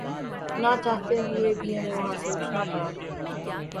ناچاہتے ہوئے بھی ہمیں وہاں سے اٹھنا پڑا